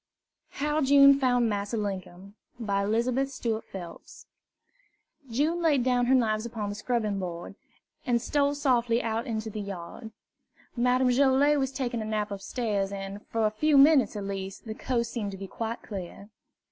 HOW JUNE FOUND MASSA LINKUM By Elizabeth Stuart Phelps June laid down her knives upon the scrubbing board, and stole softly out into the yard. Madame Joilet was taking a nap upstairs, and, for a few minutes at least, the coast seemed to be quite clear.